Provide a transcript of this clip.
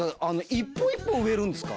一本一本植えるんですか？